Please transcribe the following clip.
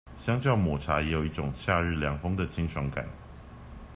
相較抹茶也有一種夏日涼風的清爽感